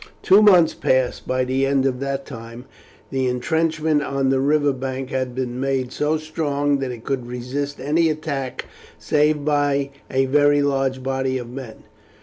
Two months passed. By the end of that time the intrenchment on the river bank had been made so strong that it could resist any attack save by a very large body of men.